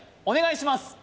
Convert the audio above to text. お願いします！